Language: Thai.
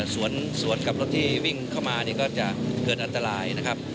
สวนกับรถที่วิ่งเข้ามาก็จะเกิดอันตรายนะครับ